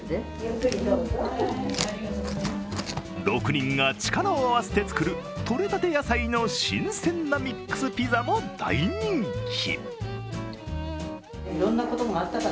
６人が力を合わせて作るとれたて野菜の新鮮なミックスピザも大人気。